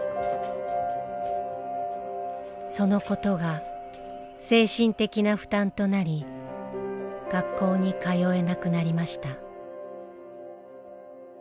そのことが精神的な負担となり学校に通えなくなりました。